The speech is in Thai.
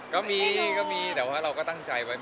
ก็มีก็มีแต่เราก็ตั้งใจไว้เลย